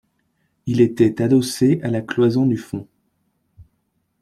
Il était adossé à la cloison du fond.